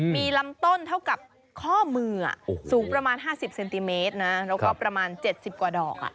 มีลำต้นเท่ากับข้อมือสูงประมาณ๕๐เซนติเมตรนะแล้วก็ประมาณ๗๐กว่าดอก